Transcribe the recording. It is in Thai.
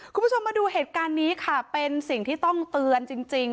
คุณผู้ชมมาดูเหตุการณ์นี้ค่ะเป็นสิ่งที่ต้องเตือนจริง